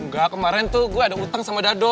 enggak kemarin tuh gue ada utang sama dado